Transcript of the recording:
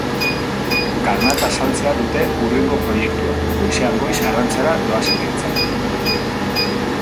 Karnata saltzea dute hurrengo proiektua, goizean goiz arrantzara doazenentzat.